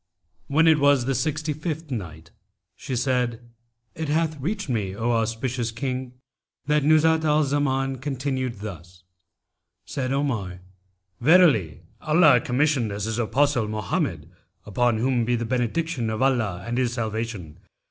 When it was the Sixty fifth Night, She said, It hath reached me, O auspicious King, that Nuzhat al Zaman continued thus, "Said Omar, 'Verily Allah commissioned as His Apostle Mohammed (upon whom be the benediction of Allah and His salvation!)